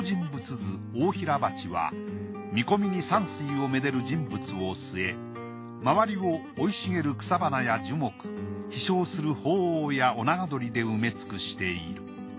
図大平鉢』は見込みに山水を愛でる人物を据え周りを生い茂る草花や樹木飛翔する鳳凰や尾長鳥で埋め尽くしている。